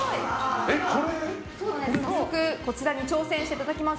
早速、こちらに挑戦していただきます。